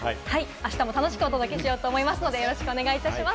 あしたも楽しくお届けしようと思いますので、よろしくお願いします。